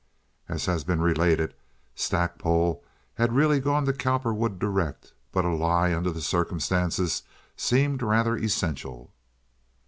As has been related, Stackpole had really gone to Cowperwood direct, but a lie under the circumstances seemed rather essential.